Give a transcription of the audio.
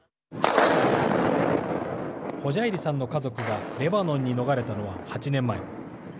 ホジャイリさんの家族がレバノンに逃れたのは８年前。